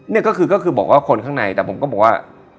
นี่ก็คือบอกว่าคนข้างในแต่ผมก็บอกว่า